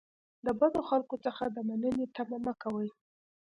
د بدو خلکو څخه د مننې تمه مه کوئ.